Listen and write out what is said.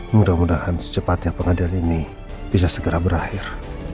mudah mudahan secepatnya pengadilan ini bisa segera berakhir